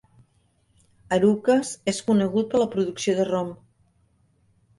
Arucas és conegut per la producció de rom.